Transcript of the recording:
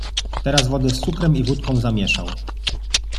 "Teraz wodę z cukrem i wódką zamieszał."